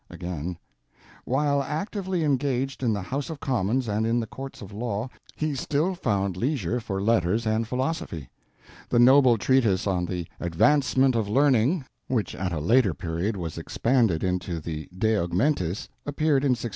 Again: While actively engaged in the House of Commons and in the courts of law, he still found leisure for letters and philosophy. The noble treatise on the Advancement Of Learning, which at a later period was expanded into the De Augmentis, appeared in 1605.